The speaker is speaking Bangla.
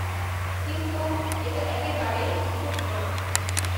কিন্তু, এটা একেবারে নিখুঁত নয়।